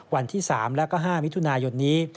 วันที่๓แล้วก็๕มิถุนายนนี้